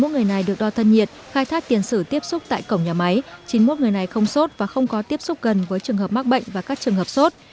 hai mươi người này được đo thân nhiệt khai thác tiền sử tiếp xúc tại cổng nhà máy chín mươi một người này không sốt và không có tiếp xúc gần với trường hợp mắc bệnh và các trường hợp sốt